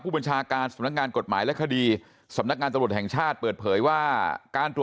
บัญชาการสำนักงานกฎหมายและคดีสำนักงานตำรวจแห่งชาติเปิดเผยว่าการตรวจ